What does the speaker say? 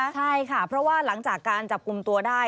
ใช่ค่ะเพราะว่าหลังจากการจับกลุ่มตัวได้